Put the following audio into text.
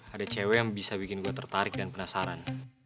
ada cewek yang bisa bikin gue tertarik dan penasaran